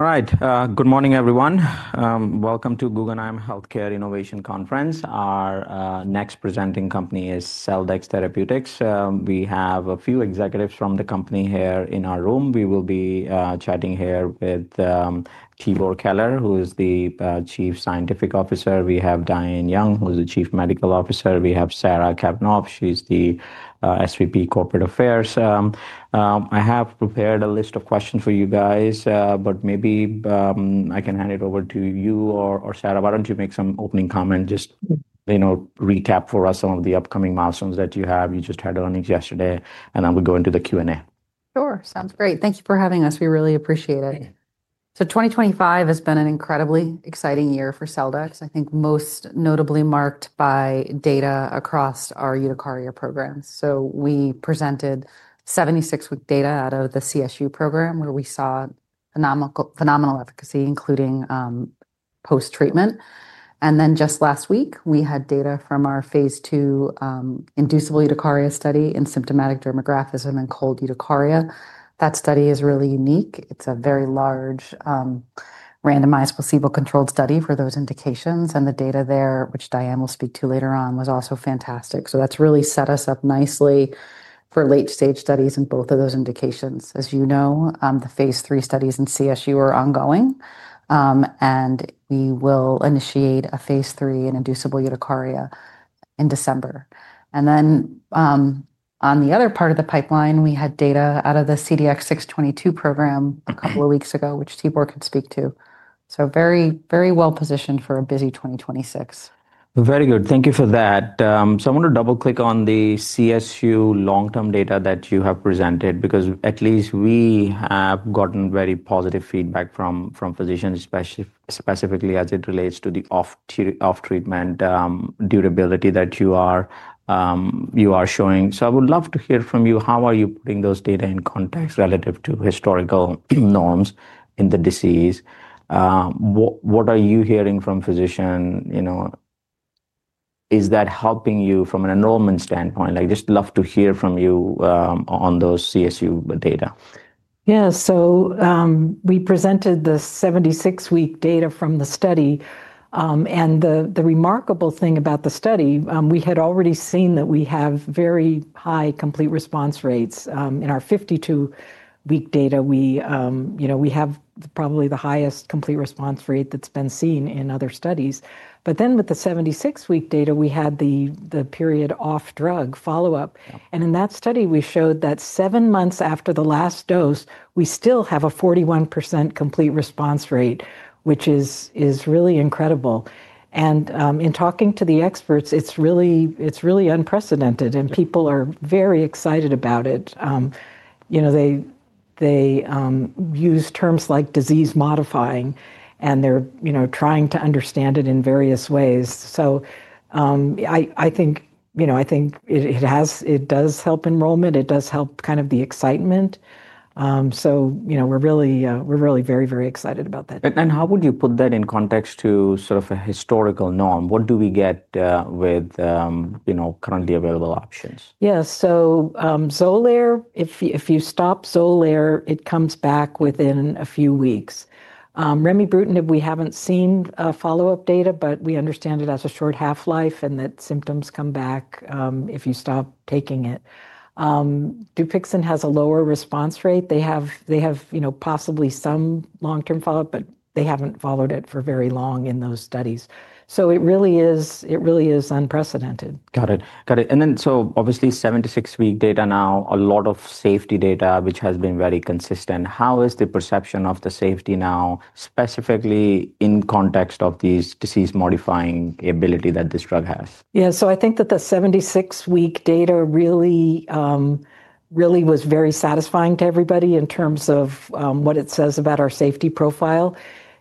All right. Good morning, everyone. Welcome to Guggenheim Healthcare Innovation Conference. Our next presenting company is Celldex Therapeutics. We have a few executives from the company here in our room. We will be chatting here with Tibor Keler, who is the Chief Scientific Officer. We have Diane Young, who is the Chief Medical Officer. We have Sarah Cavanaugh. She's the SVP Corporate Affairs. I have prepared a list of questions for you guys, but maybe I can hand it over to you or Sarah. Why don't you make some opening comment, just recap for us some of the upcoming milestones that you have. You just had earnings yesterday, and then we'll go into the Q&A. Sure. Sounds great. Thank you for having us. We really appreciate it. 2025 has been an incredibly exciting year for Celldex. I think most notably marked by data across our urticaria programs. We presented 76-week data out of the CSU program, where we saw phenomenal efficacy, including post-treatment. Just last week, we had data from our phase II inducible urticaria study in Symptomatic Dermographism and Cold Urticaria. That study is really unique. It is a very large randomized placebo-controlled study for those indications. The data there, which Diane will speak to later on, was also fantastic. That has really set us up nicely for late-stage studies in both of those indications. As you know, the phase III studies in CSU are ongoing, and we will initiate a phase III in inducible urticaria in December. On the other part of the pipeline, we had data out of the CDX-622 program a couple of weeks ago, which Tibor can speak to. Very, very well positioned for a busy 2026. Very good. Thank you for that. I want to double-click on the CSU long-term data that you have presented, because at least we have gotten very positive feedback from physicians, specifically as it relates to the off-treatment durability that you are showing. I would love to hear from you. How are you putting those data in context relative to historical norms in the disease? What are you hearing from physicians? Is that helping you from an enrollment standpoint? I'd just love to hear from you on those CSU data. Yeah. We presented the 76-week data from the study. The remarkable thing about the study, we had already seen that we have very high complete response rates. In our 52-week data, we have probably the highest complete response rate that's been seen in other studies. With the 76-week data, we had the period off-drug follow-up. In that study, we showed that seven months after the last dose, we still have a 41% complete response rate, which is really incredible. In talking to the experts, it's really unprecedented, and people are very excited about it. They use terms like disease modifying, and they're trying to understand it in various ways. I think it does help enrollment. It does help kind of the excitement. We're really very, very excited about that. How would you put that in context to sort of a historical norm? What do we get with currently available options? Yeah. Xolair, if you stop Xolair, it comes back within a few weeks. Remibrutinib, we have not seen follow-up data, but we understand it has a short half-life and that symptoms come back if you stop taking it. Dupixent has a lower response rate. They have possibly some long-term follow-up, but they have not followed it for very long in those studies. It really is unprecedented. Got it. Got it. Obviously 76-week data now, a lot of safety data, which has been very consistent. How is the perception of the safety now, specifically in context of this disease-modifying ability that this drug has? Yeah. So I think that the 76-week data really was very satisfying to everybody in terms of what it says about our safety profile.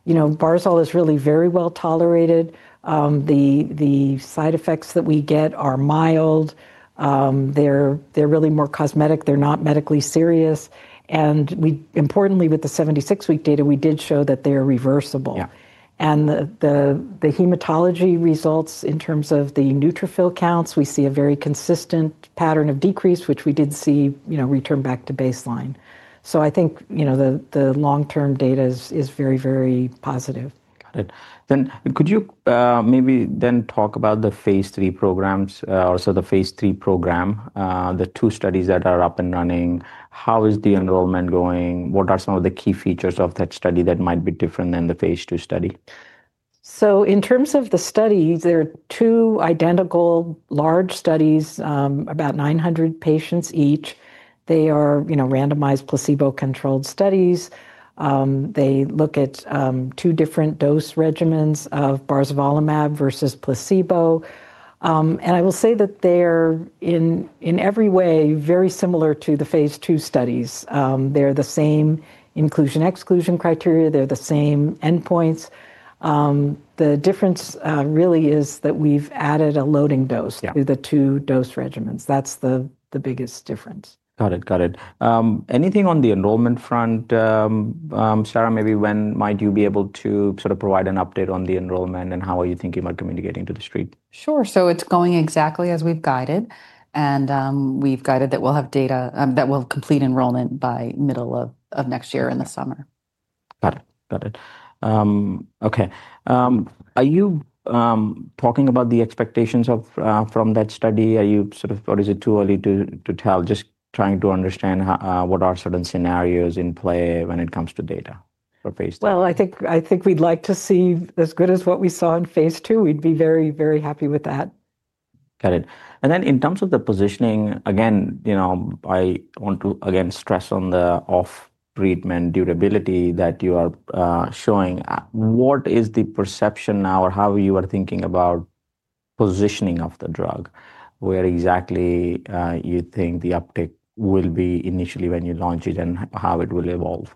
Barzol is really very well tolerated. The side effects that we get are mild. They're really more cosmetic. They're not medically serious. Importantly, with the 76-week data, we did show that they are reversible. The hematology results in terms of the neutrophil counts, we see a very consistent pattern of decrease, which we did see return back to baseline. I think the long-term data is very, very positive. Got it. Could you maybe then talk about the phase three programs, or the phase III program, the two studies that are up and running? How is the enrollment going? What are some of the key features of that study that might be different than the phase II study? In terms of the studies, there are two identical large studies, about 900 patients each. They are randomized placebo-controlled studies. They look at two different dose regimens of barzolvolimab versus placebo. I will say that they are in every way very similar to the phase II studies. They are the same inclusion-exclusion criteria. They are the same endpoints. The difference really is that we have added a loading dose to the two dose regimens. That is the biggest difference. Got it. Got it. Anything on the enrollment front, Sarah, maybe when might you be able to sort of provide an update on the enrollment and how are you thinking about communicating to the street? Sure. It's going exactly as we've guided. We've guided that we'll have data that will complete enrollment by middle of next year in the summer. Got it. Okay. Are you talking about the expectations from that study? Are you sort of, or is it too early to tell? Just trying to understand what are certain scenarios in play when it comes to data for phase II. I think we'd like to see as good as what we saw in phase II. We'd be very, very happy with that. Got it. In terms of the positioning, again, I want to again stress on the off-treatment durability that you are showing. What is the perception now or how you are thinking about positioning of the drug? Where exactly you think the uptake will be initially when you launch it and how it will evolve?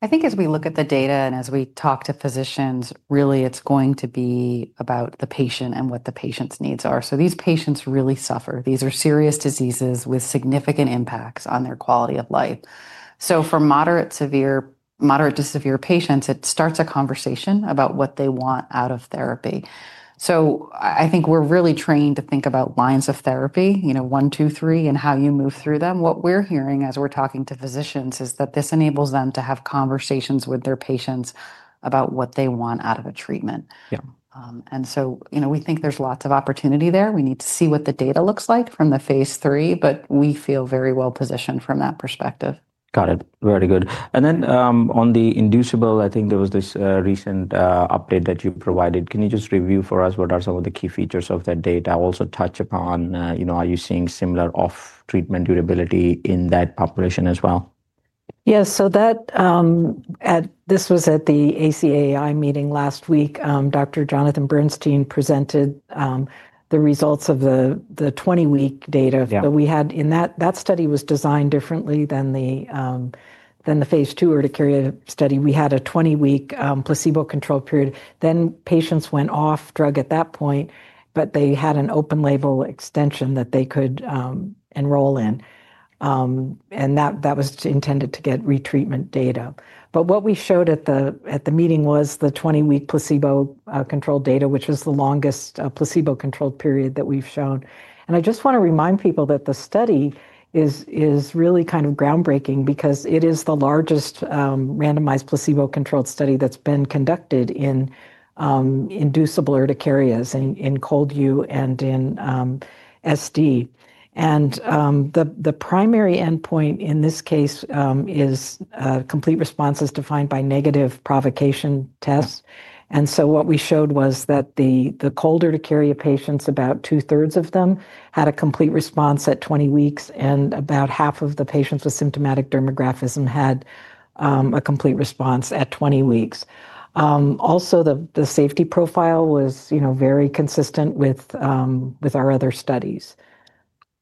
I think as we look at the data and as we talk to physicians, really it's going to be about the patient and what the patient's needs are. These patients really suffer. These are serious diseases with significant impacts on their quality of life. For moderate to severe patients, it starts a conversation about what they want out of therapy. I think we're really trained to think about lines of therapy, one, two, three, and how you move through them. What we're hearing as we're talking to physicians is that this enables them to have conversations with their patients about what they want out of a treatment. We think there's lots of opportunity there. We need to see what the data looks like from the phase III, but we feel very well positioned from that perspective. Got it. Very good. On the inducible, I think there was this recent update that you provided. Can you just review for us what are some of the key features of that data? Also touch upon, are you seeing similar off-treatment durability in that population as well? Yeah. So this was at the ACAAI meeting last week. Dr. Jonathan Bernstein presented the results of the 20-week data that we had. That study was designed differently than the phase two urticaria study. We had a 20-week placebo-controlled period. Patients went off drug at that point, but they had an open-label extension that they could enroll in. That was intended to get retreatment data. What we showed at the meeting was the 20-week placebo-controlled data, which was the longest placebo-controlled period that we've shown. I just want to remind people that the study is really kind of groundbreaking because it is the largest randomized placebo-controlled study that's been conducted in inducible urticaria, in Cold U, and in SD. The primary endpoint in this case is complete responses defined by negative provocation tests. What we showed was that the Cold Urticaria patients, about two-thirds of them, had a complete response at 20 weeks, and about half of the patients with Symptomatic Dermographism had a complete response at 20 weeks. Also, the safety profile was very consistent with our other studies.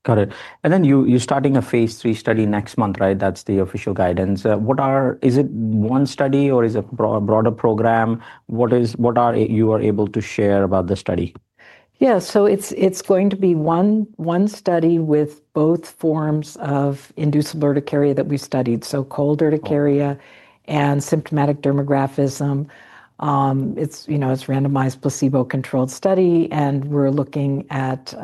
Got it. And then you're starting a phase III study next month, right? That's the official guidance. Is it one study or is it a broader program? What are you able to share about the study? Yeah. So it's going to be one study with both forms of inducible urticaria that we studied. So Cold Urticaria and Symptomatic Dermographism. It's a randomized placebo-controlled study, and we're looking at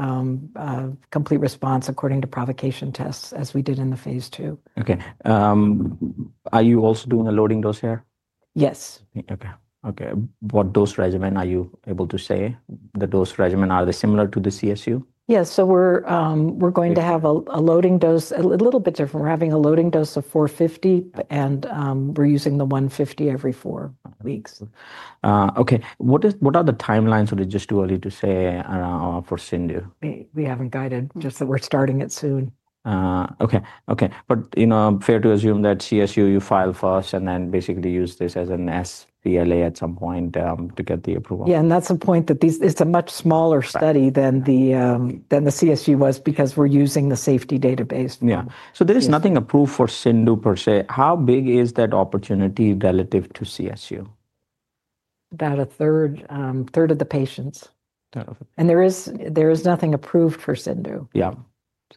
complete response according to provocation tests as we did in the phase two. Okay. Are you also doing a loading dose here? Yes. Okay. Okay. What dose regimen are you able to say? The dose regimen, are they similar to the CSU? Yeah. So we're going to have a loading dose, a little bit different. We're having a loading dose of 450, and we're using the 150 every four weeks. Okay. What are the timelines? It was just too early to say for CIndU. We haven't guided, just that we're starting it soon. Okay. Okay. Fair to assume that CSU, you file first and then basically use this as an SPLA at some point to get the approval. Yeah. That's the point that it's a much smaller study than the CSU was because we're using the safety database. Yeah. So there is nothing approved for CIndU per se. How big is that opportunity relative to CSU? About a third of the patients. There is nothing approved for CIndU. Yeah. CIndU is more on Monday.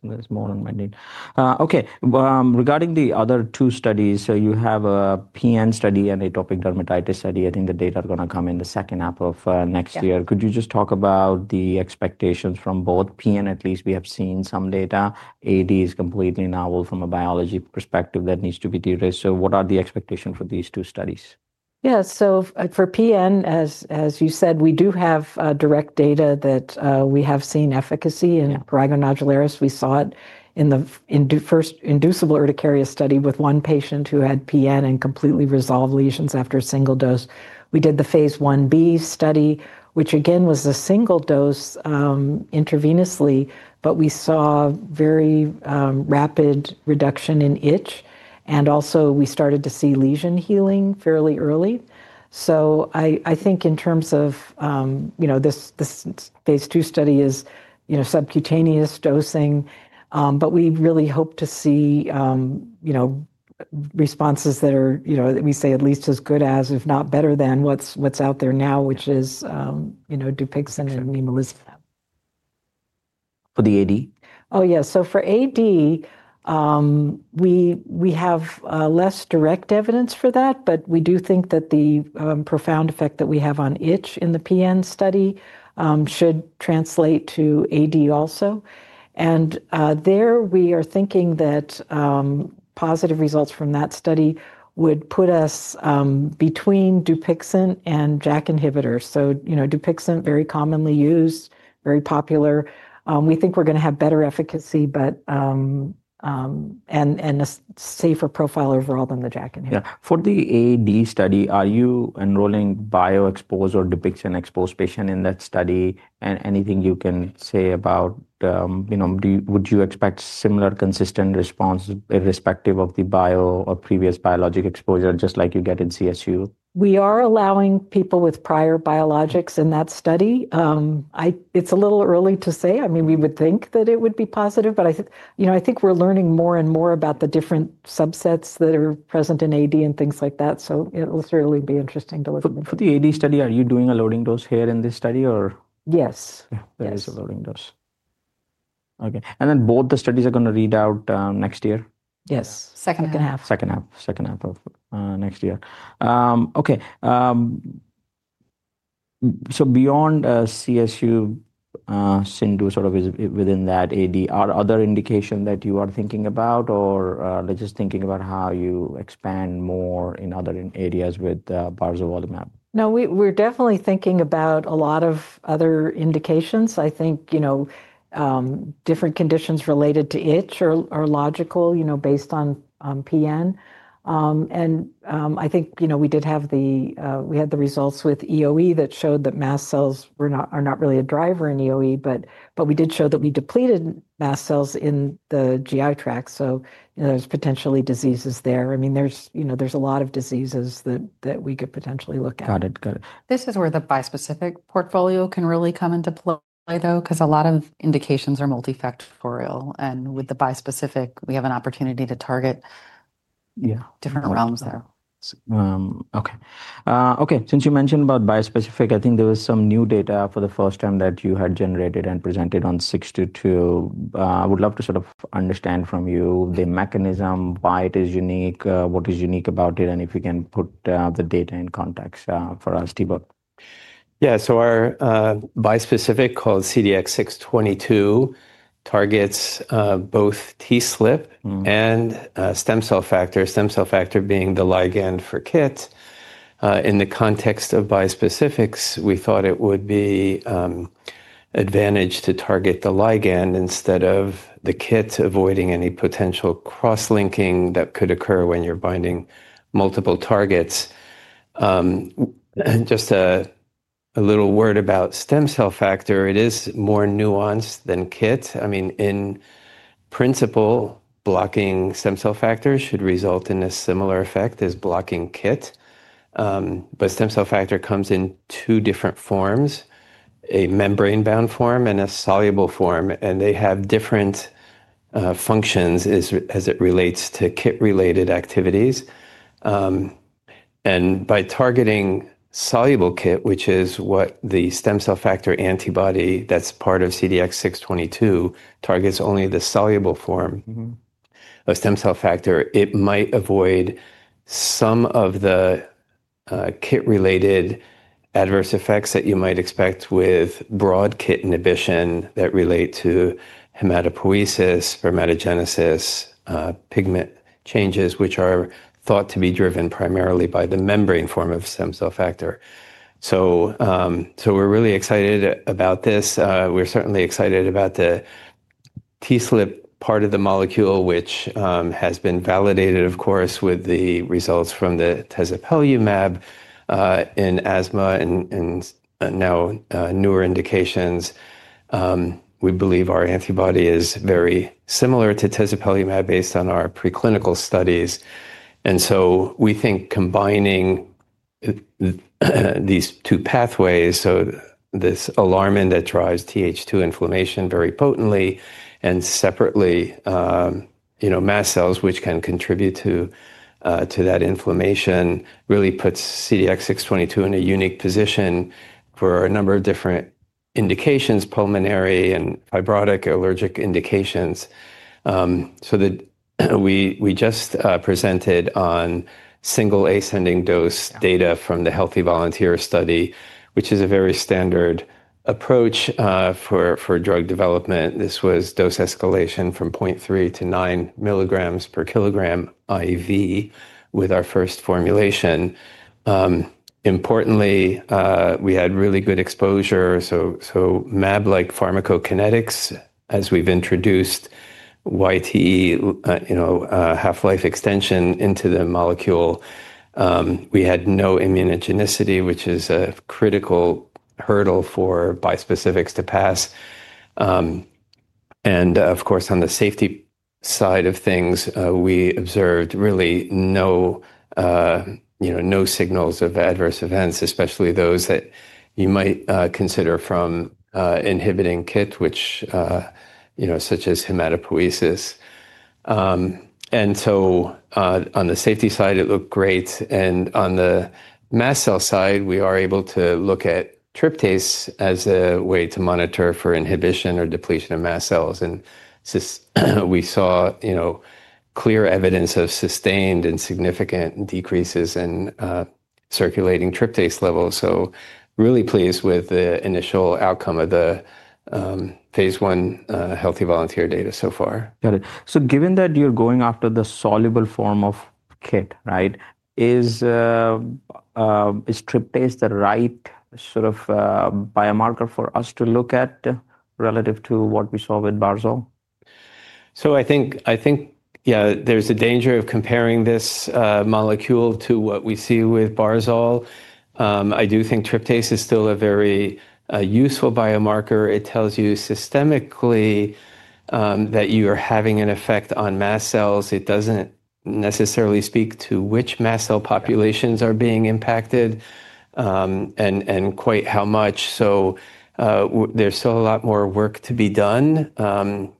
Okay. Regarding the other two studies, so you have a PN study and atopic dermatitis study. I think the data are going to come in the second half of next year. Could you just talk about the expectations from both? PN, at least we have seen some data. AD is completely novel from a biology perspective that needs to be de-risked. What are the expectations for these two studies? Yeah. So for PN, as you said, we do have direct data that we have seen efficacy in prurigo nodularis. We saw it in the first inducible urticaria study with one patient who had PN and completely resolved lesions after a single dose. We did the phase IB study, which again was a single dose intravenously, but we saw very rapid reduction in itch. And also we started to see lesion healing fairly early. I think in terms of this phase II study, it is subcutaneous dosing, but we really hope to see responses that are, we say, at least as good as, if not better than what's out there now, which is Dupixent and nemolizumab. For the AD? Oh, yeah. For AD, we have less direct evidence for that, but we do think that the profound effect that we have on itch in the PN study should translate to AD also. There we are thinking that positive results from that study would put us between Dupixent and JAK inhibitors. Dupixent, very commonly used, very popular. We think we're going to have better efficacy and a safer profile overall than the JAK inhibitor. Yeah. For the AD study, are you enrolling bio-exposed or Dupixent-exposed patients in that study? Anything you can say about, would you expect similar consistent response irrespective of the bio or previous biologic exposure, just like you get in CSU? We are allowing people with prior biologics in that study. It's a little early to say. I mean, we would think that it would be positive, but I think we're learning more and more about the different subsets that are present in AD and things like that. It will certainly be interesting to look at. For the AD study, are you doing a loading dose here in this study or? Yes. There is a loading dose. Okay. And then both the studies are going to read out next year? Yes. Second half. Second half. Second half of next year. Okay. So beyond CSU, CIndU sort of is within that AD. Are other indications that you are thinking about or just thinking about how you expand more in other areas with barzolvolimab? No, we're definitely thinking about a lot of other indications. I think different conditions related to itch are logical based on PN. I think we did have the results with EoE that showed that mast cells are not really a driver in EoE, but we did show that we depleted mast cells in the GI tract. There are potentially diseases there. I mean, there are a lot of diseases that we could potentially look at. Got it. Got it. This is where the bispecific portfolio can really come into play though, because a lot of indications are multifactorial. With the bispecific, we have an opportunity to target different realms there. Okay. Okay. Since you mentioned about bispecific, I think there was some new data for the first time that you had generated and presented on 622. I would love to sort of understand from you the mechanism, why it is unique, what is unique about it, and if you can put the data in context for us, Tibor. Yeah. So our bispecific called CDX-622 targets both TSLP and stem cell factor, stem cell factor being the ligand for KIT. In the context of bispecifics, we thought it would be advantage to target the ligand instead of the KIT, avoiding any potential cross-linking that could occur when you're binding multiple targets. Just a little word about stem cell factor. It is more nuanced than KIT. I mean, in principle, blocking stem cell factor should result in a similar effect as blocking KIT. But stem cell factor comes in two different forms, a membrane-bound form and a soluble form. And they have different functions as it relates to KIT-related activities. By targeting soluble KIT, which is what the stem cell factor antibody that's part of CDX-622 targets—only the soluble form of stem cell factor—it might avoid some of the KIT-related adverse effects that you might expect with broad KIT inhibition that relate to hematopoiesis, spermatogenesis, pigment changes, which are thought to be driven primarily by the membrane form of stem cell factor. We are really excited about this. We are certainly excited about the TSLP part of the molecule, which has been validated, of course, with the results from tezepelumab in asthma and now newer indications. We believe our antibody is very similar to tezepelumab based on our preclinical studies. We think combining these two pathways, so this alarmin that drives Th2 inflammation very potently and separately mast cells, which can contribute to that inflammation, really puts CDX-622 in a unique position for a number of different indications, pulmonary and fibrotic allergic indications. We just presented on single ascending dose data from the Healthy Volunteer study, which is a very standard approach for drug development. This was dose escalation from 0.3 mg-9 mg per kilogram IV with our first formulation. Importantly, we had really good exposure. mAb-like pharmacokinetics, as we have introduced YTE, half-life extension into the molecule. We had no immunogenicity, which is a critical hurdle for bispecifics to pass. Of course, on the safety side of things, we observed really no signals of adverse events, especially those that you might consider from inhibiting KIT, such as hematopoiesis. On the safety side, it looked great. On the mast cell side, we are able to look at tryptase as a way to monitor for inhibition or depletion of mast cells. We saw clear evidence of sustained and significant decreases in circulating tryptase levels. Really pleased with the initial outcome of the phase I Healthy Volunteer data so far. Got it. So given that you're going after the soluble form of SCF, right, is tryptase the right sort of biomarker for us to look at relative to what we saw with barzol? I think, yeah, there's a danger of comparing this molecule to what we see with barzol. I do think tryptase is still a very useful biomarker. It tells you systemically that you are having an effect on mast cells. It doesn't necessarily speak to which mast cell populations are being impacted and quite how much. There's still a lot more work to be done.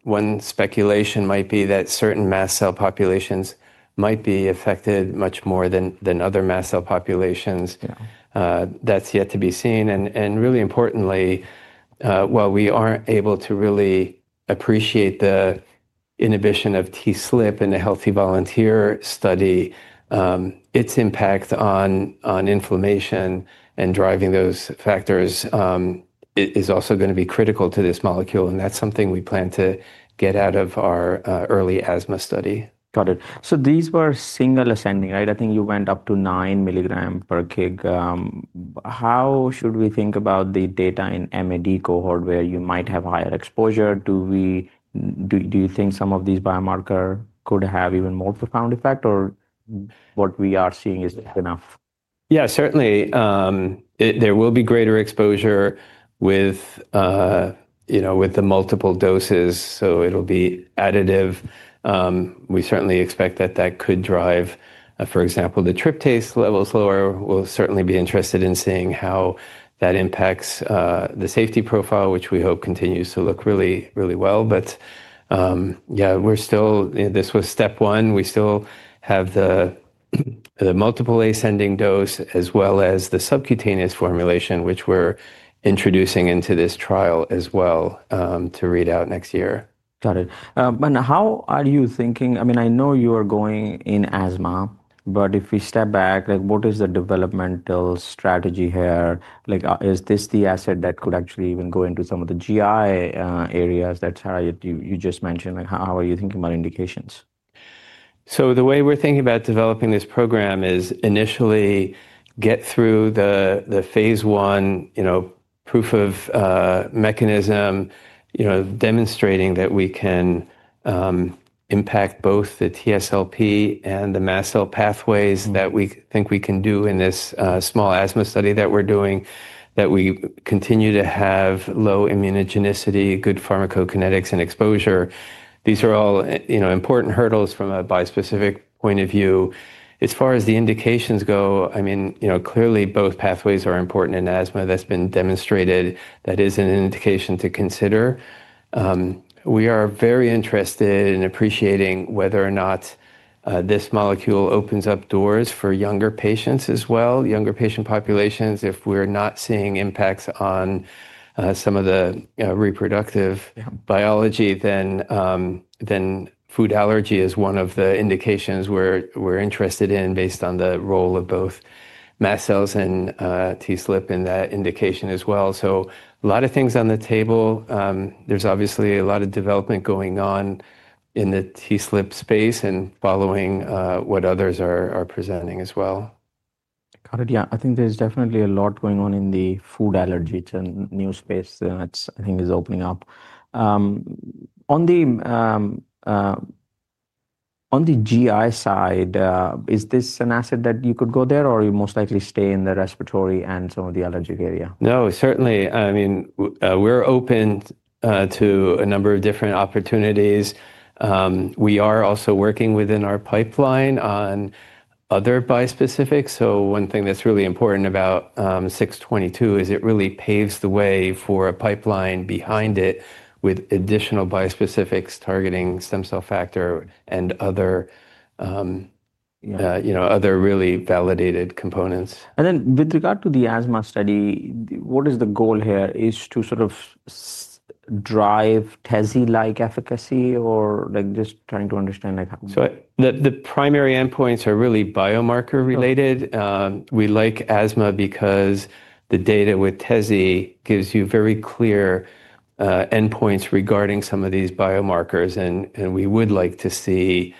One speculation might be that certain mast cell populations might be affected much more than other mast cell populations. That's yet to be seen. Really importantly, while we aren't able to really appreciate the inhibition of TSLP in the Healthy Volunteer study, its impact on inflammation and driving those factors is also going to be critical to this molecule. That's something we plan to get out of our early asthma study. Got it. These were single ascending, right? I think you went up to 9 mg per kg. How should we think about the data in the mAd cohort where you might have higher exposure? Do you think some of these biomarkers could have even more profound effect, or what we are seeing is enough? Yeah, certainly. There will be greater exposure with the multiple doses, so it'll be additive. We certainly expect that that could drive, for example, the tryptase levels lower. We'll certainly be interested in seeing how that impacts the safety profile, which we hope continues to look really, really well. Yeah, we're still, this was step one. We still have the multiple ascending dose as well as the subcutaneous formulation, which we're introducing into this trial as well to read out next year. Got it. How are you thinking? I mean, I know you are going in asthma, but if we step back, what is the developmental strategy here? Is this the asset that could actually even go into some of the GI areas that you just mentioned? How are you thinking about indications? The way we're thinking about developing this program is initially get through the phase one proof of mechanism, demonstrating that we can impact both the TSLP and the mast cell pathways that we think we can do in this small asthma study that we're doing, that we continue to have low immunogenicity, good pharmacokinetics, and exposure. These are all important hurdles from a bispecific point of view. As far as the indications go, I mean, clearly both pathways are important in asthma. That's been demonstrated. That is an indication to consider. We are very interested in appreciating whether or not this molecule opens up doors for younger patients as well, younger patient populations. If we're not seeing impacts on some of the reproductive biology, then food allergy is one of the indications we're interested in based on the role of both mast cells and TSLP in that indication as well. A lot of things on the table. There's obviously a lot of development going on in the TSLP space and following what others are presenting as well. Got it. Yeah. I think there's definitely a lot going on in the food allergy new space that I think is opening up. On the GI side, is this an asset that you could go there or you most likely stay in the respiratory and some of the allergic area? No, certainly. I mean, we're open to a number of different opportunities. We are also working within our pipeline on other bispecifics. One thing that's really important about 622 is it really paves the way for a pipeline behind it with additional bispecifics targeting stem cell factor and other really validated components. With regard to the asthma study, what is the goal here? Is it to sort of drive teze-like efficacy or just trying to understand? The primary endpoints are really biomarker related. We like asthma because the data with TESI gives you very clear endpoints regarding some of these biomarkers. We would like to see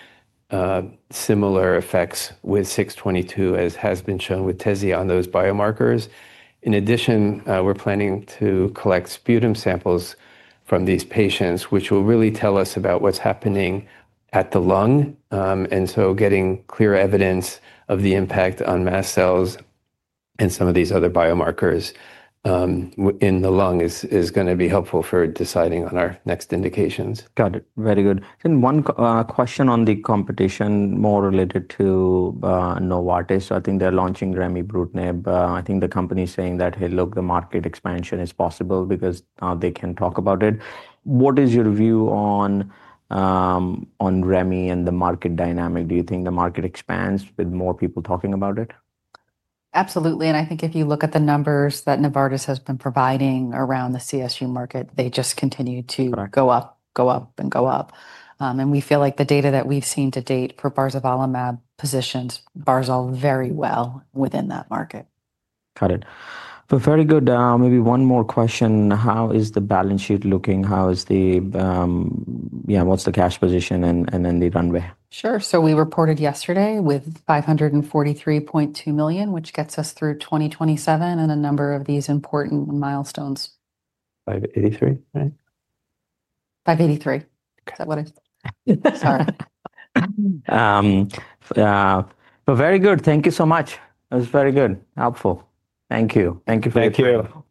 similar effects with 622, as has been shown with TESI on those biomarkers. In addition, we're planning to collect sputum samples from these patients, which will really tell us about what's happening at the lung. Getting clear evidence of the impact on mast cells and some of these other biomarkers in the lung is going to be helpful for deciding on our next indications. Got it. Very good. One question on the competition more related to Novartis. I think they are launching remibrutinib. I think the company is saying that, hey, look, the market expansion is possible because now they can talk about it. What is your view on remi and the market dynamic? Do you think the market expands with more people talking about it? Absolutely. I think if you look at the numbers that Novartis has been providing around the CSU market, they just continue to go up, go up, and go up. We feel like the data that we've seen to date for barzolvolimab positions barzol very well within that market. Got it. Very good. Maybe one more question. How is the balance sheet looking? How is the, yeah, what's the cash position and then the runway? Sure. So we reported yesterday with $543.2 million, which gets us through 2027 and a number of these important milestones. 583, right? 583. Is that what it is? Sorry. Very good. Thank you so much. It was very good, helpful. Thank you. Thank you for your time. Thank you.